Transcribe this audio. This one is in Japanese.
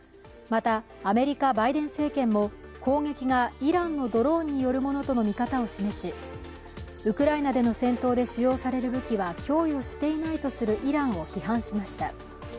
また、アメリカ・バイデン政権も攻撃がイランのドローンによるものとの見方を示しウクライナでの戦闘で使用される武器は供与していないとするイランを批判しました。